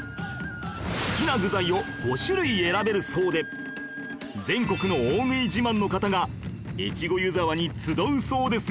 好きな具材を５種類選べるそうで全国の大食い自慢の方が越後湯沢に集うそうですよ